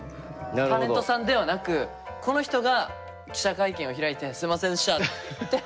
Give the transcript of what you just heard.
タレントさんではなくこの人が記者会見を開いてすみませんでしたって謝ります。